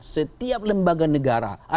setiap lembaga negara